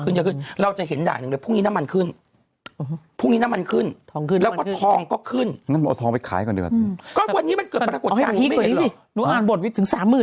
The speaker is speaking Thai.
หรือเดิมรื่องวักที่มาสนุกเยอะขึ้นเยอะขึ้นเข็มหนึ่านี้มันขึ้นเพราะทองยังคือ